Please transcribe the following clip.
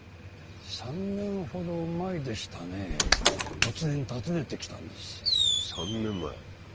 ３年ほど前でしたね突然訪ねてきたんです３年前？